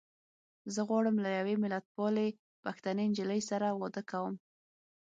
زه غواړم له يوې ملتپالې پښتنې نجيلۍ سره واده کوم.